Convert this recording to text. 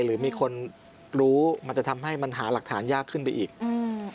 หรือมีคนรู้มันจะทำให้มันหาหลักฐานยากขึ้นไปอีกอืม